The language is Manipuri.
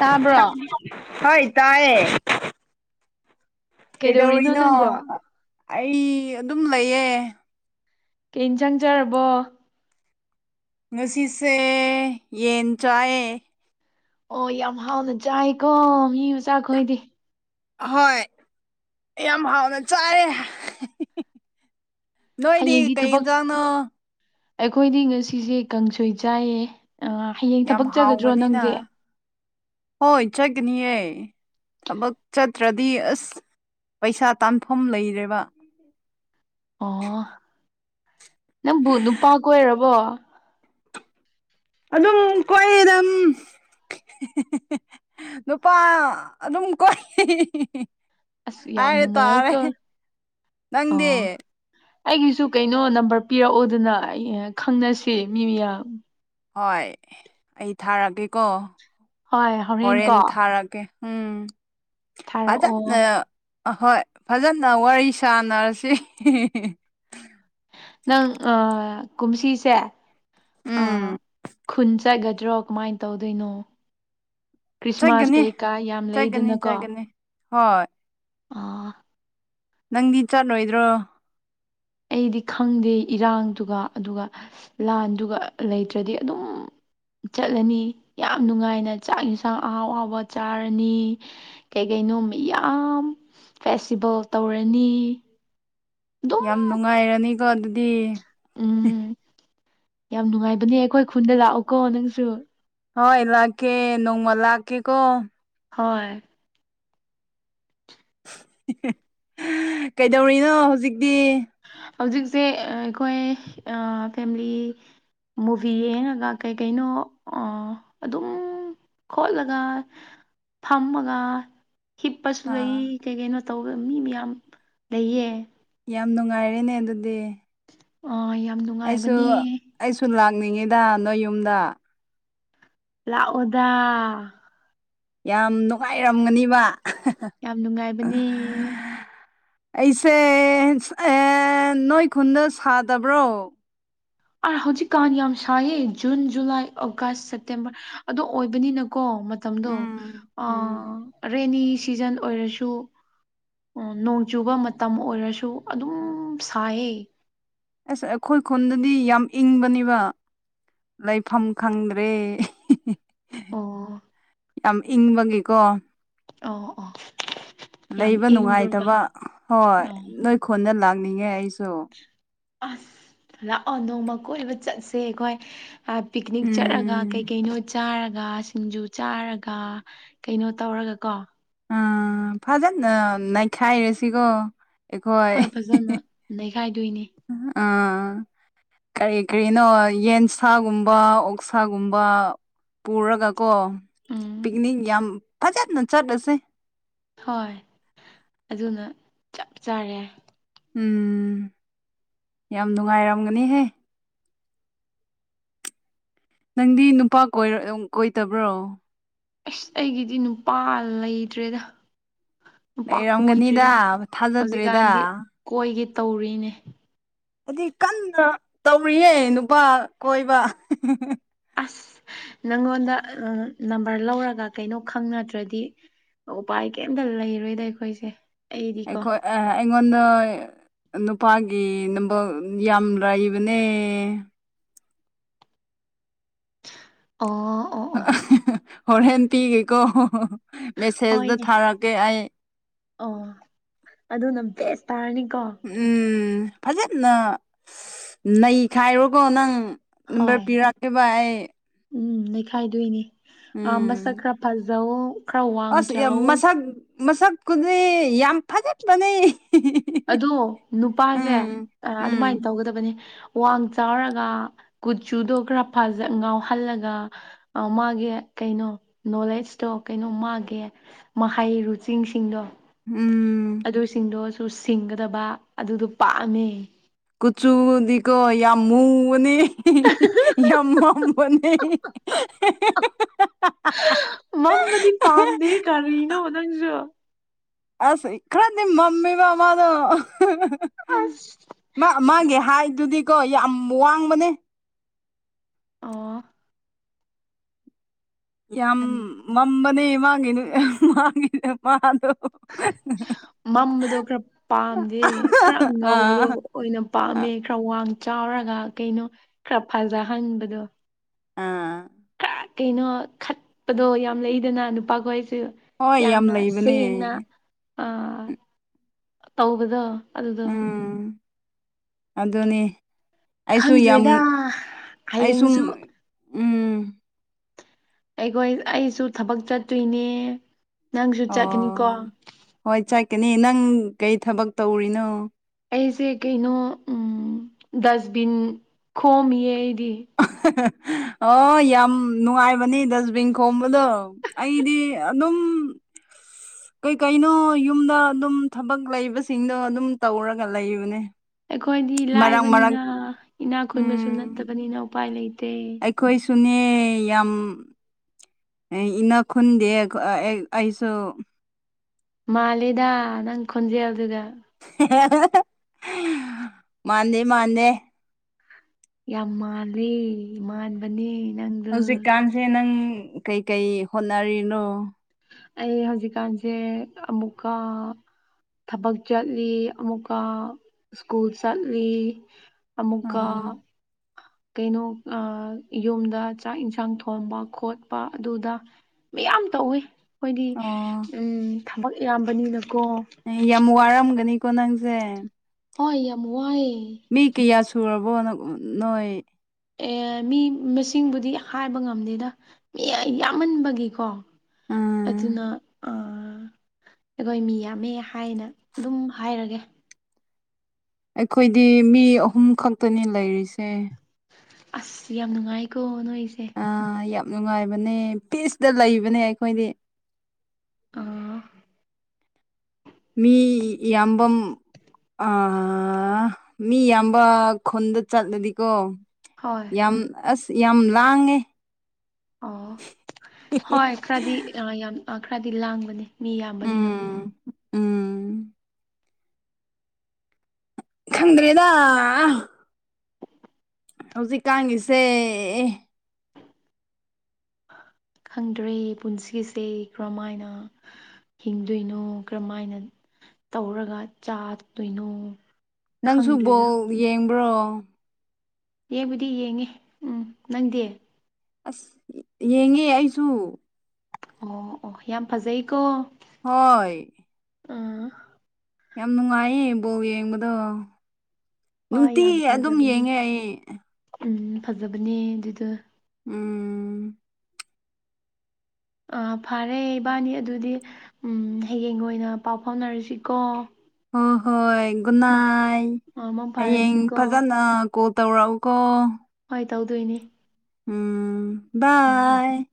ꯇꯥꯕ꯭ꯔꯣ ꯍꯣꯏ ꯇꯑꯌꯦ ꯀꯩꯗꯧꯔꯤꯅꯣ ꯀꯩꯗꯧꯔꯤꯔꯤꯅꯣ ꯅꯪꯕꯣ ꯑꯩ ꯑꯗꯨꯝ ꯂꯩꯌꯦ ꯀ ꯆꯪꯖꯔꯕꯣ ꯉꯁꯤꯁꯦ ꯌꯦꯟ ꯆꯥꯏꯑꯌꯦ ꯑꯣ ꯌꯥꯝ ꯍꯥꯎꯅ ꯆꯥꯏꯀꯣ ꯃꯤ ꯃꯆꯥꯈꯣꯏꯗꯤ ꯍꯣꯏ ꯌꯥꯝ ꯍꯥꯎꯅ ꯆꯥꯔꯦ ꯍꯌꯦꯡꯗꯤ ꯊꯕꯛ ꯌꯦꯟꯖꯥꯡꯅꯣ ꯑꯩꯈꯣꯏꯗꯤ ꯉꯁꯤꯁꯦ ꯀꯥꯡꯁꯣꯏ ꯆꯥꯏꯌꯦ ꯑ ꯍꯌꯦꯡ ꯌꯥꯝ ꯊꯕꯛ ꯆꯒꯗ꯭ꯔꯣ ꯍꯥꯎꯕꯅꯤꯅ ꯅꯪꯗꯤ ꯍꯣꯏ ꯆꯠꯀꯅꯤꯌꯦ ꯊꯕꯛ ꯆꯠꯇ꯭ꯔꯗꯤ ꯑꯁ ꯄꯩꯁꯥ ꯇꯥꯟꯐꯝ ꯂꯩꯔꯦꯕ ꯑꯣ ꯅꯪꯕꯨ ꯅꯨꯄꯥ ꯀ ꯑꯣꯏꯔꯕꯣ ꯑꯗꯨꯝ ꯀꯣꯏ ꯑꯗꯨꯝ ꯅꯨꯄꯥ ꯑꯗꯨꯝ ꯀꯣꯏ ꯑꯁ ꯌꯥꯝ ꯍꯥꯏꯔꯦ ꯇꯥꯔꯦ ꯅꯨꯡꯉꯥꯏꯀꯣ ꯑꯣ ꯅꯪꯗꯤ ꯑꯩꯒꯤꯁꯨ ꯀꯩꯅꯣ ꯅꯝꯕꯔ ꯄꯤꯔꯛꯑꯣꯗꯅ ꯑꯩ ꯈꯪꯅꯁꯤ ꯃꯤ ꯃꯌꯥꯝ ꯍꯣꯏ ꯑꯩ ꯊꯥꯔꯛꯀꯦꯀꯣ ꯍꯣꯏ ꯍꯣꯔꯦꯟ ꯀꯣ ꯊꯥꯔꯛꯀꯦ ꯎꯝ ꯑꯗ ꯊꯥꯔꯛꯑꯣ ꯑ ꯑꯍꯣꯏ ꯐꯖꯅ ꯋꯥꯔꯤ ꯁꯥꯟꯅꯔꯁꯤ ꯅꯪ ꯀꯨꯝꯁꯤꯁꯦ ꯑꯥ ꯎꯝ ꯈꯨꯟ ꯆꯒꯗ꯭ꯔꯣ ꯀꯃꯥꯏꯅ ꯇꯧꯗꯣꯏꯅꯣ ꯈ꯭ꯔꯤꯁꯃꯥꯁ ꯆꯠꯀꯅꯤ ꯀꯩꯀꯥ ꯌꯥꯝ ꯆꯠꯀꯅꯤ ꯂꯩꯗꯅꯀꯣ ꯆꯠꯀꯅꯤ ꯍꯣꯏ ꯑ ꯅꯪꯗꯤ ꯆꯠꯂꯣꯏꯗ꯭ꯔꯣ ꯑꯩꯗꯤ ꯈꯪꯗꯦ ꯏꯔꯥꯡꯗꯨꯒ ꯑꯗꯨꯒ ꯂꯥꯟꯗꯨꯒ ꯂꯩꯇ꯭ꯔꯗꯤ ꯑꯗꯨꯝ ꯆꯠꯂꯅꯤ ꯌꯥꯝ ꯅꯨꯡꯉꯥꯏꯅ ꯆꯥꯛ ꯌꯦꯟꯁꯥꯡ ꯑꯍꯥꯎ ꯑꯍꯥꯎꯕ ꯆꯥꯔꯅꯤ ꯀꯩꯀꯩꯅꯣ ꯌꯥꯝ ꯐꯦꯁꯇꯤꯚꯦꯜ ꯇꯧꯔꯅꯤ ꯑꯗꯨꯝ ꯌꯥꯝ ꯅꯨꯡꯉꯥꯏꯔꯅꯤꯀꯣ ꯑꯗꯨꯗꯤ ꯎꯝ ꯌꯥꯝ ꯅꯨꯡꯉꯥꯏꯕꯅꯦ ꯑꯩꯈꯣꯏ ꯈꯨꯟꯗ ꯂꯥꯛꯎꯀꯣ ꯅꯪꯁꯨ ꯍꯣꯏ ꯏ ꯂꯥꯛꯀꯦ ꯅꯣꯡꯃꯜ ꯂꯀꯦꯀꯣ ꯍꯣꯏ ꯀꯩꯗꯧꯔꯤꯅꯣ ꯍꯧꯖꯤꯛꯇꯤ ꯍꯧꯖꯤꯛꯁꯦ ꯑꯩꯈꯣꯏ ꯐꯦꯃꯤꯂꯤ ꯃꯨꯚꯤ ꯌꯦꯡꯉꯒ ꯀꯩ ꯀꯩꯅꯣ ꯑꯗꯨꯝ ꯈꯣꯠꯂꯒ ꯊꯝꯃꯒ ꯍꯤꯞꯄꯁꯨ ꯂꯩ ꯑꯥ ꯀꯩ ꯀꯩꯅꯣ ꯇꯧꯕ ꯃꯤ ꯃꯌꯥꯝ ꯂꯩꯌꯦ ꯌꯥꯝ ꯅꯨꯡꯉꯥꯏꯔꯦꯅꯦ ꯑꯗꯨꯗꯤ ꯑ ꯌꯥꯝ ꯑꯩꯁꯨ ꯅꯨꯡꯉꯥꯏꯕꯅꯦ ꯑꯩꯁꯨ ꯂꯥꯛꯅꯤꯡꯉꯤꯗ ꯅꯣꯏ ꯌꯨꯝꯗ ꯂꯥꯛꯑꯣꯗ ꯌꯥꯝ ꯅꯨꯡꯉꯥꯏꯔꯝꯒꯅꯤꯕ ꯌꯥꯝ ꯅꯨꯡꯉꯥꯏꯕꯅꯦ ꯑꯩꯁꯦ ꯅꯣꯏ ꯈꯨꯟꯗ ꯁꯥꯗꯕ꯭ꯔꯣ ꯑꯥ ꯍꯧꯖꯤꯛꯀꯥꯟ ꯌꯥꯝ ꯁꯥꯏꯌꯦ ꯖꯨꯟ ꯖꯨꯂꯥꯏ ꯑꯣꯒꯁ ꯁꯦꯞꯇꯦꯝꯕꯔ ꯑꯗꯣ ꯑꯣꯏꯕꯅꯤꯅ ꯀꯣ ꯃꯇꯝꯗꯣ ꯎꯝ ꯎꯝ ꯔꯦꯅꯤ ꯁꯤꯖꯟ ꯑꯣꯏꯔꯁꯨ ꯑꯣ ꯅꯣꯡ ꯆꯨꯕ ꯃꯇꯝ ꯑꯣꯏꯔꯁꯨ ꯑꯗꯨꯝ ꯁꯥꯏꯌꯦ ꯑꯁ ꯑꯩꯈꯣꯏ ꯈꯨꯟꯗꯗꯤ ꯌꯥꯝ ꯏꯪꯕꯅꯦꯕ ꯂꯩꯐꯝ ꯈꯪꯗ꯭ꯔꯦ ꯑꯣ ꯌꯥꯝ ꯏꯪꯕꯒꯤꯀꯣ ꯑꯣ ꯑꯣ ꯌꯥꯝ ꯂꯩꯕ ꯏꯪꯕ꯭ꯔꯣꯕ ꯅꯨꯡꯉꯥꯏꯇꯕ ꯍꯣꯏ ꯑꯣ ꯅꯣꯏ ꯀꯣꯟꯗ ꯂꯥꯛꯅꯤꯡꯉꯦ ꯑꯩꯁꯨ ꯑꯁ ꯂꯥꯛꯑꯣ ꯅꯣꯡꯃ ꯀꯣꯏꯕ ꯆꯠꯁꯦ ꯑꯩꯈꯣꯏ ꯄꯤꯛꯅꯤꯛ ꯆꯠꯂꯒ ꯀꯩ ꯎꯝ ꯀꯩꯅꯣ ꯆꯥꯔꯒ ꯁꯤꯡꯖꯨ ꯆꯥꯔꯒ ꯀꯩꯅꯣ ꯇꯧꯔꯒ ꯀꯣ ꯑꯥ ꯐꯖꯅ ꯅꯩꯈꯥꯏꯔꯁꯤꯀꯣ ꯑꯩꯈꯣꯏ ꯍꯣꯏ ꯐꯖꯅ ꯅꯩꯈꯥꯏꯗꯣꯏꯅꯤ ꯑꯥ ꯀꯔꯤ ꯀꯔꯤꯅꯣ ꯌꯦꯟꯁꯥꯒꯨꯝꯕ ꯑꯣꯛꯁꯥꯒꯨꯝꯕ ꯄꯨꯔꯒ ꯀꯣ ꯎꯝ ꯄꯤꯛꯅꯤꯛ ꯌꯥꯝ ꯐꯖꯅ ꯆꯠꯂꯁꯦ ꯍꯣꯏ ꯑꯗꯨꯅ ꯆꯞ ꯆꯥꯔꯦ ꯎꯝ ꯌꯥꯝ ꯅꯨꯡꯉꯥꯏꯔꯝꯒꯅꯤꯍꯦ ꯅꯪꯗꯤ ꯅꯨꯄꯥ ꯀꯣꯏꯗꯕ꯭ꯔꯣ ꯑꯁ ꯑꯩꯒꯤꯗꯤ ꯅꯨꯄꯥ ꯂꯩꯇ꯭ꯔꯦꯗ ꯅꯨꯄꯥ ꯂꯩꯔꯝꯒꯅꯤꯗ ꯀꯣꯏꯗ꯭ꯔꯤꯗ ꯊꯥꯖꯗ꯭ꯔꯦꯗ ꯍꯧꯖꯤꯛꯀꯥꯟꯗꯤ ꯀꯣꯏꯒꯦ ꯇꯧꯔꯤꯅꯦ ꯑꯗꯨꯗꯤ ꯀꯟꯅ ꯇꯧꯔꯤꯌꯦ ꯅꯨꯄꯥ ꯀꯣꯏꯕ ꯑꯁ ꯅꯪꯉꯣꯟꯗ ꯅꯝꯕꯔ ꯂꯧꯔꯒ ꯀꯩꯅꯣ ꯈꯪꯅꯗ꯭ꯔꯗꯤ ꯎꯄꯥꯏ ꯀꯩꯝꯇ ꯂꯩꯔꯣꯏꯗ ꯑꯩꯈꯣꯏꯁꯦ ꯑꯩꯗꯤꯀꯣ ꯑꯩꯈꯣꯏ ꯑꯩꯉꯣꯟꯗ ꯅꯨꯄꯥꯒꯤ ꯅꯝꯕ ꯌꯥꯝ ꯂꯥꯏꯕꯅꯦ ꯑ ꯍꯣꯔ ꯍꯦꯟ ꯄꯤꯒꯦꯀꯣ ꯍꯣꯏꯅꯦ ꯃꯦꯁꯦꯖꯇ ꯊꯥꯔꯛꯀꯦ ꯑꯩ ꯑꯣ ꯑꯗꯨꯅ ꯕꯦꯁ ꯇꯥꯔꯅꯤꯀꯣ ꯎꯝ ꯐꯖꯅ ꯅꯩ ꯈꯥꯏꯔꯣꯒꯣ ꯅꯪ ꯝꯕꯔ ꯍꯣꯏ ꯄꯤꯔꯛꯇꯕ ꯑꯩ ꯎꯝ ꯅꯩꯈꯥꯏꯗꯣꯏꯅꯦ ꯑꯝꯕ ꯎꯝ ꯆꯀ꯭ꯔꯥꯄꯥꯖꯧ ꯑꯁ ꯌꯥꯝ ꯃꯁꯛ ꯃꯁꯛꯀꯨꯗꯤ ꯌꯥꯝ ꯐꯖꯠꯄꯅꯦ ꯑꯗꯣ ꯅꯨꯄꯥꯁꯦ ꯎꯝ ꯑꯗꯨꯃꯥꯏꯅ ꯇꯧꯒꯗꯕꯅꯦ ꯋꯥ ꯆꯥꯎꯔꯒ ꯀꯨꯆꯨꯗꯣ ꯈꯔ ꯐꯖ ꯉꯥꯎꯍꯜꯂꯒ ꯃꯥꯒꯤ ꯀꯩꯅꯣ ꯅꯣꯂꯦꯖꯇꯣ ꯀꯩꯅꯣ ꯃꯥꯒꯤ ꯃꯍꯩꯔꯨꯆꯤꯡꯁꯤꯡꯗꯣ ꯎꯝ ꯑꯗꯨ ꯁꯤꯡꯗꯣꯁꯨ ꯁꯤꯡꯒꯗꯕ ꯑꯗꯨꯗꯣ ꯄꯥꯝꯃꯦ ꯀꯨꯆꯨꯗꯤꯀꯣ ꯌꯥꯝ ꯃꯨꯕꯅꯤ ꯌꯥꯝ ꯃꯝꯕꯅꯦ ꯃꯝꯃꯗꯤ ꯄꯥꯝꯗꯦ ꯀꯔꯤꯅꯣ ꯅꯪꯁꯨ ꯑꯁ ꯏ ꯈꯔꯗꯤ ꯃꯃꯤ ꯃꯃꯥꯗꯣ ꯑꯁ ꯃꯥꯒꯤ ꯍꯥꯏꯗꯨꯗꯤꯀꯣ ꯌꯥꯝ ꯋꯥꯡꯕꯅꯦ ꯑꯣ ꯌꯥꯝ ꯃꯝꯕꯅꯦ ꯃꯥꯡꯉꯤꯅꯨ ꯃꯥꯡꯉꯤꯅꯦ ꯃꯥꯗꯣ ꯃꯝꯕꯗꯣ ꯈꯔ ꯄꯥꯝꯗꯦ ꯈꯔ ꯉꯧꯕꯗꯣ ꯑꯥ ꯑꯣꯏꯅ ꯄꯥꯝꯃꯦ ꯈꯔ ꯋꯥꯡ ꯆꯥꯎꯔꯒ ꯀꯩꯅꯣ ꯈꯔ ꯐꯖꯍꯟꯕꯗꯣ ꯑꯥ ꯈꯔ ꯀꯩꯅꯣ ꯈꯠꯄꯗꯣ ꯌꯥꯝ ꯂꯩꯗꯅ ꯅꯨꯄꯥꯈꯣꯏꯁꯨ ꯍꯣꯏ ꯌꯥꯝ ꯌꯥꯝꯅ ꯂꯩꯕꯅꯦ ꯁꯦꯡꯅ ꯑ ꯇꯧꯕꯗꯣ ꯑꯗꯨꯗꯣ ꯎꯝ ꯑꯗꯨꯅꯤ ꯑꯩꯁꯨ ꯌꯥꯝ ꯈꯪꯗ꯭ꯔꯦꯗ ꯑꯩꯁꯨ ꯍꯌꯦꯡꯁꯨ ꯎꯝ ꯑꯩꯈꯣꯏ ꯑꯩꯁꯨ ꯊꯕꯛ ꯆꯠꯇꯣꯏꯅꯦ ꯅꯪꯁꯨ ꯆꯠꯀꯅꯤꯀꯣ ꯑꯣ ꯍꯣꯏ ꯆꯠꯀꯅꯤ ꯅꯪ ꯀꯩ ꯊꯕꯛ ꯇꯧꯔꯤꯅꯣ ꯑꯩꯁꯦ ꯀꯩꯅꯣ ꯗꯁꯕꯤꯟ ꯈꯣꯝꯃꯤꯌꯦ ꯑꯩꯗꯤ ꯑꯣ ꯌꯥꯝ ꯅꯨꯡꯉꯥꯏꯕꯅꯤ ꯗꯁꯕꯤꯟ ꯈꯣꯝꯕꯗꯣ ꯑꯩꯗꯤ ꯑꯗꯨꯝ ꯀꯩꯀꯩꯅꯣ ꯌꯨꯝꯗ ꯑꯗꯨꯝ ꯊꯕꯛ ꯂꯩꯕꯁꯤꯡꯗꯣ ꯑꯗꯨꯝ ꯇꯧꯔꯒ ꯂꯩꯕꯅꯦ ꯑꯩꯈꯣꯏꯗꯤ ꯃꯔꯛ ꯃꯔꯛ ꯂꯥꯏꯕꯅꯤꯅ ꯏꯅꯥ ꯈꯨꯟꯕꯁꯨ ꯎꯝ ꯅꯠꯇꯕꯅꯤꯅ ꯎꯄꯥꯏ ꯂꯩꯇꯦ ꯑꯩꯈꯣꯏꯁꯨꯅꯦ ꯌꯥꯝ ꯏꯅ ꯈꯨꯟꯗꯦ ꯑꯩꯁꯨ ꯃꯥꯂꯗ ꯅꯪ ꯈꯣꯟꯖꯦꯜꯗꯨꯗ ꯃꯥꯥꯟꯅꯦ ꯃꯥꯥꯟꯅꯦ ꯌꯥꯝ ꯃꯥꯜꯂꯤ ꯃꯥꯟꯕꯅꯤ ꯅꯪꯗ ꯁꯦ ꯅꯪ ꯀꯩꯀꯩ ꯍꯣꯠꯅꯔꯤꯅꯣ ꯑꯩ ꯍꯧꯖꯤꯛꯀꯥꯟꯁꯦ ꯑꯃꯨꯛꯀ ꯊꯕꯛ ꯆꯠꯂꯤ ꯑꯃꯨꯛꯀ ꯁ꯭ꯀꯨꯜ ꯆꯠꯂꯤ ꯑꯃꯨꯀ ꯑꯥ ꯀꯩꯅꯣ ꯌꯨꯝꯗ ꯆꯥꯛ ꯏꯟꯁꯥꯡ ꯊꯣꯡꯕ ꯈꯣꯠꯄ ꯑꯗꯨꯗ ꯃꯌꯥꯝ ꯇꯧꯋꯤ ꯑꯩꯈꯣꯏꯗꯤ ꯑꯣ ꯎ ꯊꯕꯛ ꯏꯌꯥꯝꯕꯅꯤꯅꯀꯣ ꯌꯥꯝ ꯋꯥꯔꯝꯒꯅꯤꯀꯣ ꯅꯪꯁꯦ ꯍꯣꯏ ꯌꯥꯝ ꯋꯥꯏꯌꯦ ꯃꯤ ꯀꯌꯥ ꯁꯨꯔꯕꯣ ꯅꯣꯏ ꯑꯦ ꯃꯤ ꯃꯁꯤꯡꯕꯨꯗꯤ ꯍꯥꯏꯕ ꯉꯝꯗꯦꯗ ꯃꯤ ꯌꯥꯝꯃꯟꯕꯒꯤꯀꯣ ꯎꯝ ꯑꯗꯨꯅ ꯑ ꯑꯩꯈꯣꯏ ꯃꯤ ꯌꯥꯝꯃꯦ ꯍꯥꯏꯅ ꯑꯗꯨꯝ ꯍꯥꯏꯔꯒꯦ ꯑꯩꯈꯣꯏꯗꯤ ꯃꯤ ꯑꯍꯨꯝ ꯈꯛꯇꯅꯤ ꯂꯩꯔꯤꯁꯦ ꯑꯁ ꯌꯥꯝ ꯅꯨꯡꯉꯥꯏꯀꯣ ꯅꯣꯏꯁꯦ ꯌꯥꯝ ꯅꯨꯡꯉꯥꯏꯕꯅꯦ ꯄꯤꯁꯇ ꯂꯩꯕꯅꯦ ꯑꯩꯈꯣꯏꯗꯤ ꯑꯥ ꯃꯤ ꯌꯥꯝꯌꯥꯝꯕ ꯑ ꯃꯤ ꯑꯌꯥꯝꯕ ꯈꯨꯟꯗ ꯆꯠꯂꯗꯤꯀꯣ ꯍꯣꯏ ꯌꯥꯝ ꯑꯁ ꯌꯥꯝ ꯂꯥꯡꯉꯦ ꯑꯣ ꯍꯣꯏ ꯈꯔꯗꯤ ꯌꯥꯝ ꯈꯔꯗꯤ ꯂꯥꯡꯕꯅꯤ ꯃꯤ ꯌꯥꯝꯕꯅꯤꯅꯀꯣ ꯎꯝ ꯎꯝ ꯈꯪꯗ꯭ꯔꯦꯗ ꯍꯧꯖꯤꯛꯀꯉꯁꯦ ꯑꯦ ꯈꯪꯗ꯭ꯔꯦ ꯄꯨꯟꯁꯤꯁꯦ ꯀꯔꯝꯃꯥꯏꯅ ꯍꯤꯡꯗꯣꯏꯅꯣ ꯀꯔꯝꯍꯥꯏꯅ ꯇꯧꯔꯒ ꯆꯥꯇꯣꯏꯅꯣ ꯅꯪꯁꯨ ꯕꯣꯜ ꯌꯦꯡꯕ꯭ꯔꯣ ꯌꯦꯡꯕꯨꯗꯤ ꯌꯦꯡꯉꯤ ꯎꯝ ꯅꯪꯗꯦ ꯑꯁ ꯌꯦꯡꯉꯦ ꯑꯩꯁꯨ ꯑꯣ ꯑꯣ ꯌꯥꯝ ꯐꯖꯩꯀꯣ ꯍꯣꯏ ꯑꯥ ꯌꯥꯝ ꯅꯨꯡꯉꯥꯏꯌꯦ ꯕꯣꯜ ꯌꯦꯡꯕꯗꯣ ꯍꯣꯏ ꯅꯨꯡꯇꯤ ꯌꯥꯝ ꯑꯗꯨꯝ ꯐꯖꯕꯅꯦ ꯌꯦꯡꯉꯦ ꯑꯩ ꯎꯝ ꯐꯖꯕꯅꯦ ꯑꯗꯨꯗꯣ ꯎꯝ ꯑ ꯐꯔꯦ ꯏꯕꯥꯅꯤ ꯑꯗꯨꯗꯤ ꯍꯌꯦꯡ ꯑꯣꯏꯅ ꯄꯥꯎ ꯐꯥꯎꯅꯔꯁꯤꯀꯣ ꯍꯣꯏ ꯍꯣꯏ ꯒꯨꯅꯥꯏ ꯃꯪ ꯍꯌꯦꯡ ꯐꯥꯔꯁꯤꯀꯣ ꯐꯖꯅ ꯀꯣ ꯇꯧꯔꯥꯎ ꯀꯣ ꯍꯣꯏ ꯇꯧꯗꯣꯏꯅꯦ ꯎꯝ ꯎꯝ ꯎꯝ ꯕꯥꯏ